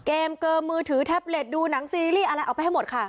เกอมือถือแท็บเล็ตดูหนังซีรีส์อะไรเอาไปให้หมดค่ะ